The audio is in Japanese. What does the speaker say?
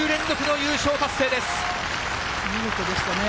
見事でしたね。